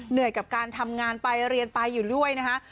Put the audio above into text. เหนื่อยกับการทำงานไปเรียนไปอยู่ด้วยนะคะ